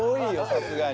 さすがに。